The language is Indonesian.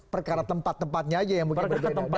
perkara tempat tempatnya aja yang mungkin berbeda